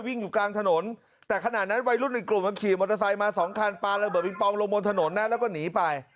วิ่งอยู่กลางถนนแต่ขณะนั้นวัยรุ่นอีกกลุ่มมันขี่มอเตอร์ไซค์มาสองคันปลาระเบิงปองลงบนถนนนะแล้วก็หนีไป